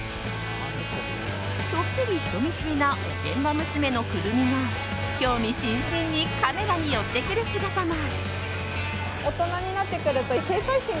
ちょっぴり人見知りなおてんば娘のくるみが興味津々にカメラに寄って来る姿も。